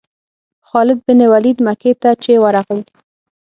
خالد بن ولید مکې ته چې ورغی.